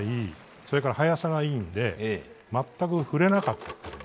それから速さがいいので全く触れなかった。